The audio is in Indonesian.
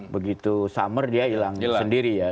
begitu summer dia hilang sendiri ya